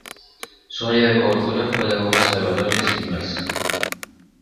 Su área de cobertura fue la Bolsa de Valores e Inversión.